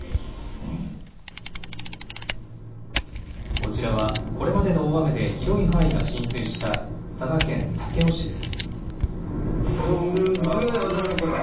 こちらは、これまでの大雨で広い範囲が浸水した佐賀県武雄市です。